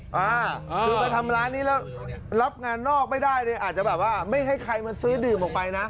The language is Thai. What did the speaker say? คือมาทำร้านนี้แล้วรับงานนอกไม่ได้เนี่ยอาจจะแบบว่าไม่ให้ใครมาซื้อดื่มออกไปนะ